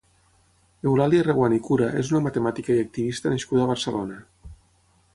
Eulàlia Reguant i Cura és una matemàtica i activista nascuda a Barcelona.